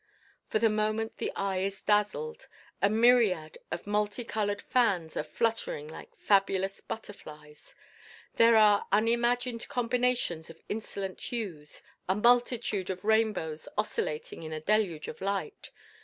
For the moment the eye is dazzled; a myriad of multicolored fans are fluttering like fabulous butterflies; there are unimagined combinations of insolent hues; a multitude of rainbows oscillating in a deluge of light.